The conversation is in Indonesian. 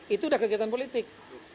itu sudah kegiatan politik